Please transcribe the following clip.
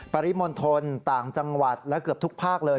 ปริมณฑลต่างจังหวัดและเกือบทุกภาคเลย